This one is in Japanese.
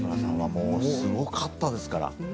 すごかったですから。